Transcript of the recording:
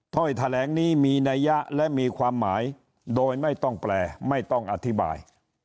ถ้อยแถลงนี้มีนัยยะและมีความหมายโดยไม่ต้องแปลไม่ต้องอธิบาย